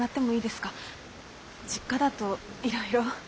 実家だといろいろ。